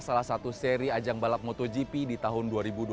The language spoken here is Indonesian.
salah satu seri ajang balap motogp di tahun dua ribu dua puluh